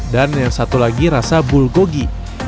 dan yang satu lagi rasa bulgogi